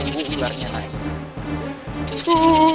tunggu ularnya naik